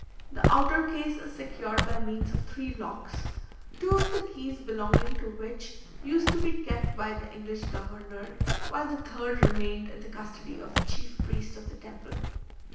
The outer case is secured by means of three locks, two of the keys belonging to which used to be kept by the English governor, while the third remained in the custody of the chief priest of the temple.